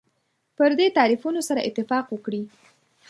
پر دې تعریفونو سره اتفاق وکړي.